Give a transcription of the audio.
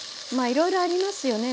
いろいろありますよね